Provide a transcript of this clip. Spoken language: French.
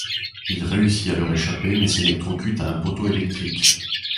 Il réussit à leur échapper mais s’électrocute à un poteau électrique.